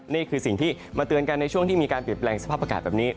นี่คือสิ่งที่มาเตือนกันในช่วงที่มีการเปลี่ยนแปลงสภาพอากาศแบบนี้